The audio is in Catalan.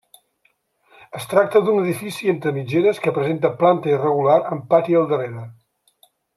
Es tracta d'un edifici entre mitgeres que presenta planta irregular amb pati al darrere.